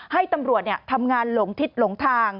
ให้ตำรวจทำงานหลงทิศหลงทาง